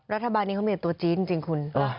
รสบานเขามีแต่ตัวจิ๊ดจริงคุณ